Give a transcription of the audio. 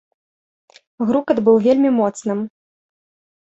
Грукат быў вельмі моцным.